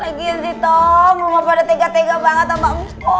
lagi siti belum apa apa ada tega tega banget sama mpok